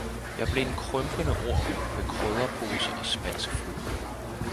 jeg blev en krympende orm, med krydderpose og spansk flue.